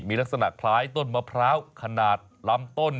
มีลักษณะคล้ายต้นมะพร้าวขนาดลำต้น